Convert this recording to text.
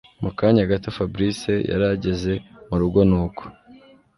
Mukanya gato Fabric yarageze murugo nuko